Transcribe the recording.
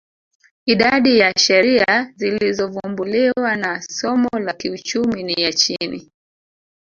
Idadi ya sheria zilizovumbuliwa na somo la kiuchumi ni ya chini